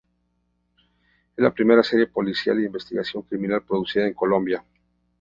Es la primera serie policial y de investigación criminal producida en Colombia.